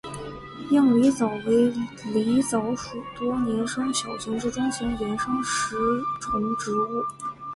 硬狸藻为狸藻属多年生小型至中型岩生食虫植物。